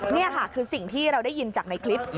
นี่ค่ะคือสิ่งที่เราได้ยินจากในคลิป